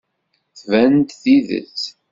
Tban-d tidet.